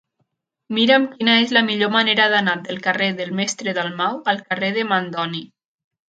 Mira'm quina és la millor manera d'anar del carrer del Mestre Dalmau al carrer de Mandoni.